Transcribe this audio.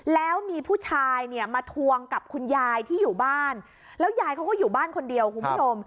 แล้วมีผู้ชายเนี่ยมาทวงกับคุณยายที่อยู่บ้านแล้วยายเขาก็อยู่บ้านคนเดียวคุณผู้ชม